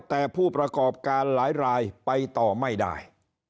แต่ผู้ประกอบการหลายรายไปต่อไม่ได้